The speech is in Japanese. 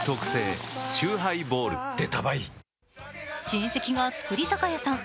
親戚が造り酒屋さん